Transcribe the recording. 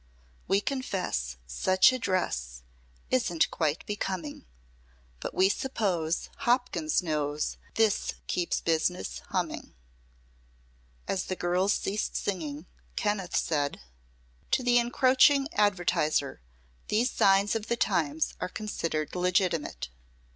We confess Such a dress Isn't quite becoming, But we suppose Hopkins knows This keeps business humming." As the girls ceased singing, Kenneth said: "To the encroaching advertiser these signs of the times are considered legitimate.